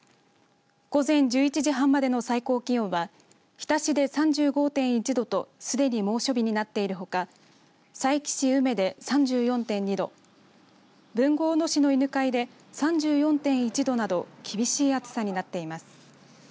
午前１１時半までの最高気温は日田市で３５．１度とすでに猛暑日になっているほか佐伯市宇目で３４．２度豊後大野市の犬飼で３４．１度など厳しい暑さになっています。